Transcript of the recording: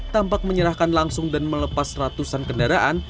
tampak menyerahkan langsung dan melepas ratusan kendaraan